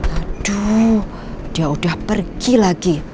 aduh dia udah pergi lagi